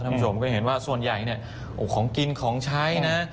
เธอจะเห็นว่าส่วนใหญ่เนี่ยของกินของใช้นะ